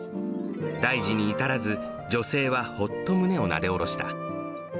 大事に至らず、女性はほっと胸をなでおろした。